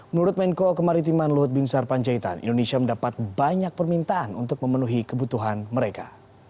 menurut menko kemaritiman luhut bin sarpanjaitan indonesia mendapat banyak permintaan untuk memenuhi kebutuhan mereka